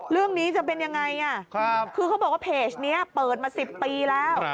เรื่องนี้จะเป็นยังไงคือเขาบอกว่าเพจนี้เปิดมา๑๐ปีแล้ว